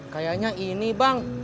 kayaknya ini bang